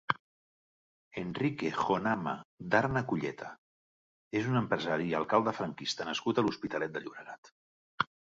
Enrique Jonama Darnaculleta és un empresari i alcalde franquista nascut a l'Hospitalet de Llobregat.